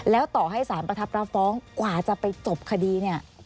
แล้วต่อให้สารประทับรับฟ้องกว่าจะไปจบคดีเนี่ย